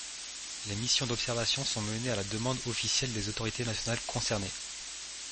Les missions d'observation sont menées à la demande officielle des autorités nationales concernées.